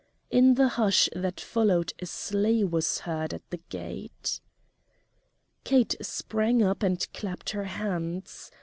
In the hush that followed a sleigh was heard at the gate. Kate sprang up and clapped her hands.